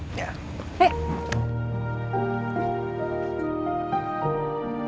harian kamu udah baer ini gak sarangrastu